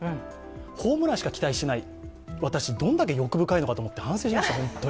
ホームランしか期待してない私はどれだけ欲深いのかなと思って反省しました。